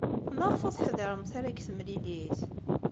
Maɣef ur teḥdiṛemt ara deg temlilit?